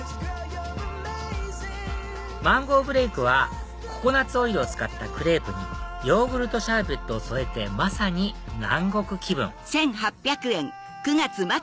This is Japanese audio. マンゴーブレイクはココナツオイルを使ったクレープにヨーグルトシャーベットを添えてまさに南国気分いや